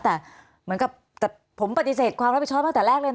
แต่เหมือนกับแต่ผมปฏิเสธความรับผิดชอบตั้งแต่แรกเลยนะ